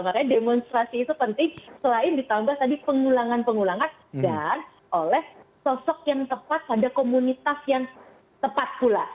makanya demonstrasi itu penting selain ditambah tadi pengulangan pengulangan dan oleh sosok yang tepat pada komunitas yang tepat pula